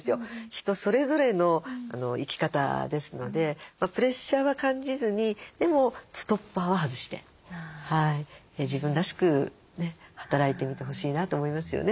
人それぞれの生き方ですのでプレッシャーは感じずにでもストッパーは外して自分らしく働いてみてほしいなと思いますよね。